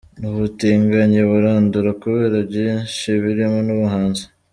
N’ubutinganyi burandura kubera byinshi birimo n’ubuhanzi.